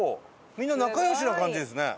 みんな仲良しな感じですね。